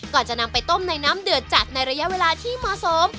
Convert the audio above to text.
ก่อนจะนำไปต้มในน้ำเดือดจัดในระยะเวลาที่เหมาะสม